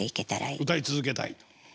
歌い続けたいと。